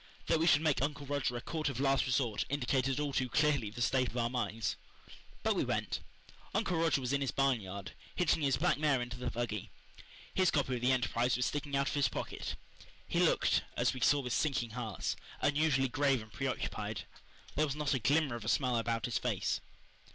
That we should make Uncle Roger a court of last resort indicated all too clearly the state of our minds. But we went. Uncle Roger was in his barn yard, hitching his black mare into the buggy. His copy of the Enterprise was sticking out of his pocket. He looked, as we saw with sinking hearts, unusually grave and preoccupied. There was not a glimmer of a smile about his face.